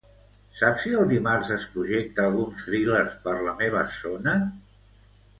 Saps si el dimarts es projecta algun thriller per la meva zona?